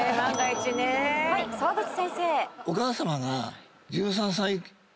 はい澤口先生。